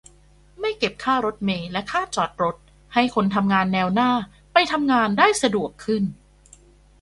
- ไม่เก็บค่ารถเมล์และค่าจอดรถ ให้คนทำงานแนวหน้าไปทำงานได้สะดวกขึ้น